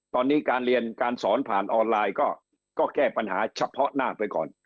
ตอนนี้การเรียนการสอนผ่านออนไลน์ก็แก้ปัญหาเฉพาะหน้าไปก่อน